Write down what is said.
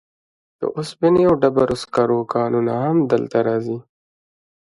د اوسپنې او ډبرو سکرو کانونه هم دلته راځي.